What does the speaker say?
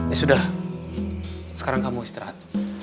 ya sudah sekarang kamu istirahat